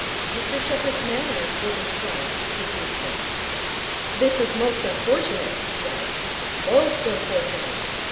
Mr Sheppherd's manner was inclined to bleakness. 'This is most unfortunate,' he said. 'Most unfortunate.